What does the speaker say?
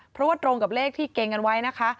เพราะว่าตรงกับเลขที่เกรงกันไว้นะคะ